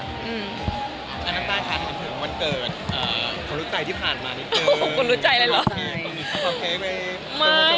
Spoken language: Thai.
วันเกิดคนรู้ใจหัวอะไรหรอ